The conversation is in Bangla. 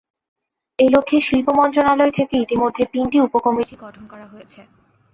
এ লক্ষ্যে শিল্প মন্ত্রণালয় থেকে ইতিমধ্যে তিনটি উপকমিটি গঠন করা হয়েছে।